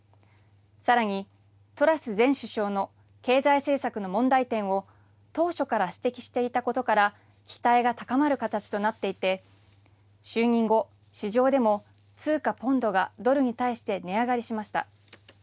さらに、トラス前首相の経済政策の問題点を当初から指摘していたことから、期待が高まる形となっていて、就任後、市場でも通貨ポンドがドルに対して値上がりしました。